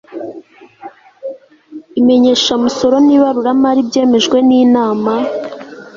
imenyeshamusoro n'ibaruramari byemejwe n'inama